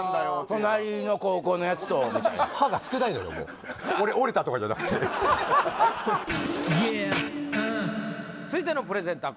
隣の高校のヤツとみたいな歯が少ないのよもう折れたとかじゃなくて続いてのプレゼンター